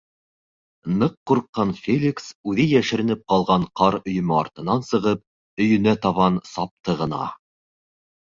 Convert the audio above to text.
Ныҡ ҡурҡҡан Феликс үҙе йәшеренеп ҡалған ҡар өйөмө артынан сығып өйөнә табан сапты ғына.